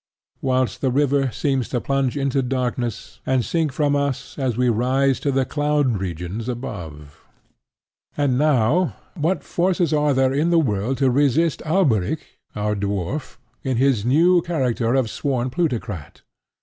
whilst the river seems to plunge into darkness and sink from us as we rise to the cloud regions above. And now, what forces are there in the world to resist Alberic, our dwarf, in his new character of sworn plutocrat?